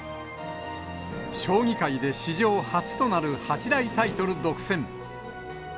将棋界で史上初となる八大タイトル独占。